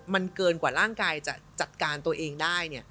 มันเกินกว่าร่างกายจะจัดการตัวเองได้